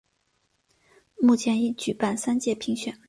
目前已举办三届评选。